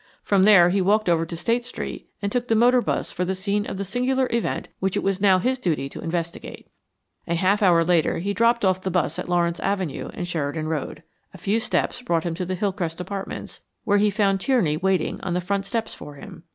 From there he walked over to State Street and took the motor bus for the scene of the singular event which it was now his duty to investigate. A half hour later he dropped off the bus at Lawrence Avenue and Sheridan Road. A few steps brought him to the Hillcrest apartments, where he found Tierney waiting on the front steps for him.